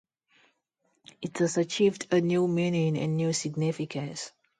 It has achieved a new meaning and new significance.